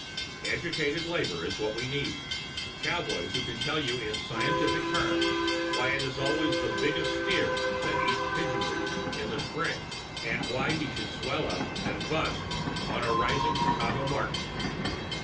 Educated labor is what we need. Cowboys who can tell you in scientific terms why it is always the biggest steer that eats "pigeon weed" in the spring and why he should swell up and bust on a rising Chicago market.